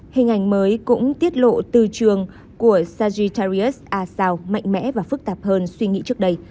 hình ảnh mới cũng tiết lộ từ trường của sagitarius a sao mạnh mẽ và phức tạp hơn suy nghĩ trước đây